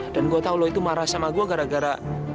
dan gue tau lo itu marah sama gue gara gara